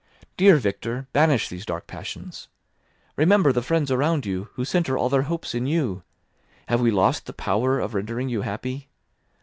Dear Victor, banish these dark passions. Remember the friends around you, who centre all their hopes in you. Have we lost the power of rendering you happy?